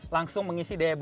langsung mengisi daya belakang